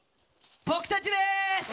僕たちです。